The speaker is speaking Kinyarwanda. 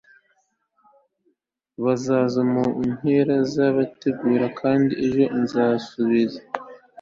bazaze mu nkera nzabitegura kandi ejo nzasubiza